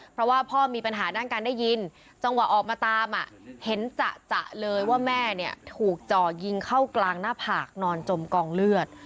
เพราะว่าพ่อมีปัญหาด้านการได้ยินจังหวะออกมาตามเห็นจะเลยว่าแม่เนี่ยถูกจ่อยิงเข้ากลางหน้าผากนอนจมกองเลือด